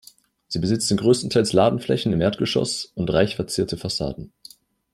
Sie besitzen größtenteils Ladenflächen im Erdgeschoss und reich verzierte Fassaden.